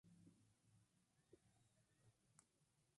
Los tres siguientes cuerpos son de ladrillo.